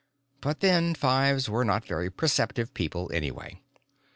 But then, Fives were not very perceptive people, anyway.